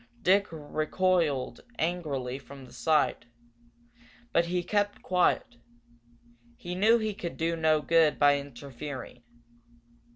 Dick recoiled angrily from the sight, but he kept quiet. He knew he could do no good by interfering.